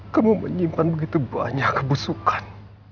kamu menyimpan begitu banyak busukan